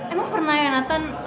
emang pernah ya nathan